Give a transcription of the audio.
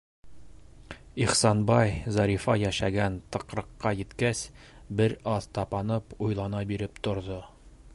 Ихсанбай, Зарифа йәшәгән тыҡрыҡҡа еткәс, бер аҙ тапанып, уйлана биреп торҙо.